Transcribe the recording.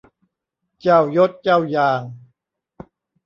เจ้ายศเจ้าอย่าง